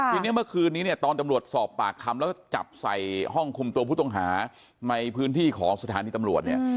ทีนี้เมื่อคืนนี้เนี่ยตอนตำรวจสอบปากคำแล้วก็จับใส่ห้องคุมตัวผู้ต้องหาในพื้นที่ของสถานีตำรวจเนี่ย